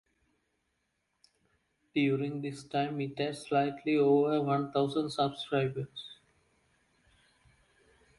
During this time it had slightly over one thousand subscribers.